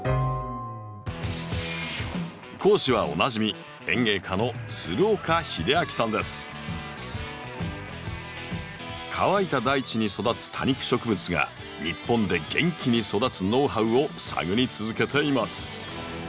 講師はおなじみ乾いた大地に育つ多肉植物が日本で元気に育つノウハウを探り続けています。